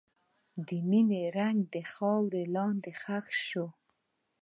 د مینې رنګ د خاورې لاندې ښخ شو.